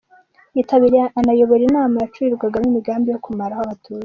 Yitabiriye anayobora inama zacurirwagamo imigambi yo kumaraho Abatutsi.